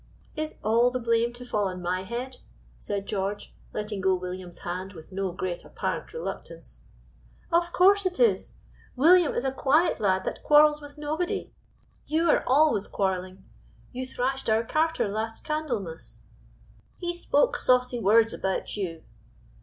"Is all the blame to fall on my head?" said George, letting go William's hand with no great apparent reluctance. "Of course it is! William is a quiet lad that quarrels with nobody; you are always quarreling; you thrashed our carter last Candlemas." "He spoke saucy words about you."